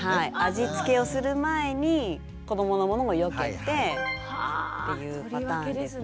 味付けをする前に子どものものをよけてっていうパターンですね。